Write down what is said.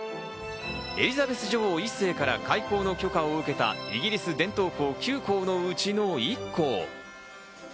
エリザベス女王１世から開校の許可を受けたイギリス伝統校９校のうちの１校。